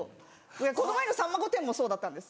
この前の『さんま御殿‼』もそうだったんです。